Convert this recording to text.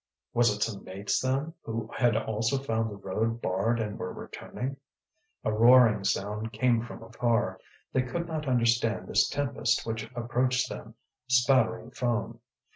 Was it some mates, then, who had also found the road barred and were returning? A roaring sound came from afar; they could not understand this tempest which approached them, spattering foam.